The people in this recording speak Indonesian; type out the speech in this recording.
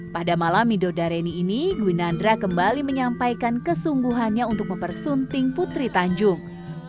pada malam midodareni ini gwinandra kembali menyampaikan kesungguhannya untuk mempersunting putri tanjung